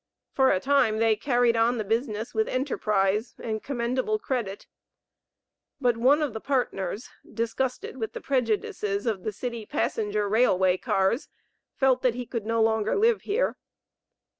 For a time they carried on the business with enterprise and commendable credit, but one of the partners, disgusted with the prejudices of the city passenger railway cars, felt that he could no longer live here.